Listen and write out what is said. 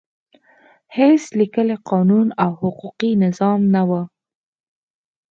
هېڅ لیکلی قانون او حقوقي نظام نه و.